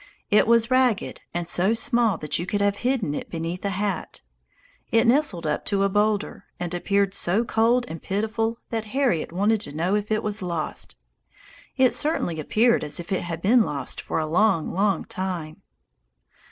It was ragged, and so small that you could have hidden it beneath a hat. It nestled up to a boulder, and appeared so cold and pitiful that Harriet wanted to know if it was lost. It certainly appeared as if it had been lost for a long, long time.